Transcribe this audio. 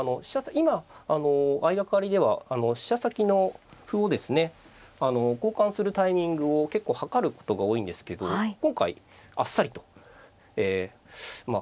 今あの相掛かりでは飛車先の歩をですね交換するタイミングを結構計ることが多いんですけど今回あっさりとえま